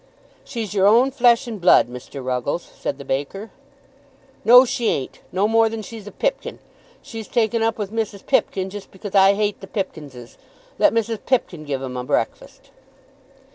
"She's your own flesh and blood, Mr. Ruggles," said the baker. "No; she ain't; no more than she's a Pipkin. She's taken up with Mrs. Pipkin jist because I hate the Pipkinses. Let Mrs. Pipkin give 'em a breakfast."